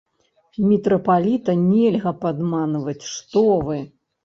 Мітрапаліта нельга падманваць, што вы!